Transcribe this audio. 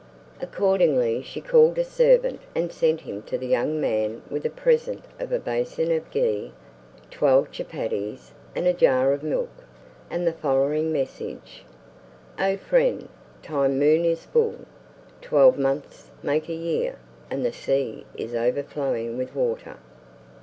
Accordingly she called a servant and sent him to the young man with a present of a basin of ghee, twelve chupatties, and a jar of milk, and the following message: "O friend, time moon is full; twelve months make a year, and the sea is overflowing with water."